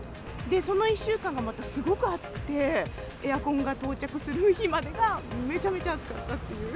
その１週間がまたすごく暑くて、エアコンが到着する日までがめちゃめちゃ暑かった。